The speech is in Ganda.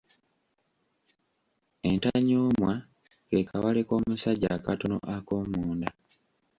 Entanyoomwa ke kawale k’omusajja akatono akoomu nda.